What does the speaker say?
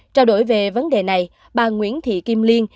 trao đổi về vấn đề này bà nguyễn thị kim liên